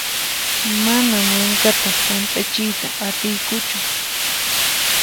Mana mankata hunt'achiyta atiykuchu.